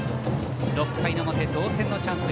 ６回表、同点のチャンス